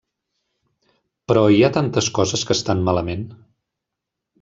Però, hi ha tantes coses que estan malament.